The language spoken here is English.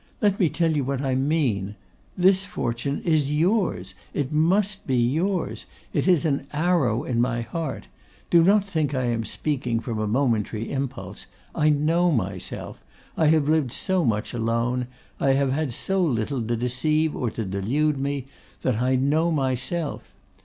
Let me tell you what I mean. This fortune is yours; it must be yours. It is an arrow in my heart. Do not think I am speaking from a momentary impulse. I know myself. I have lived so much alone, I have had so little to deceive or to delude me, that I know myself.